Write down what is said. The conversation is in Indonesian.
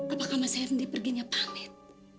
apakah mas erna diperginya pamit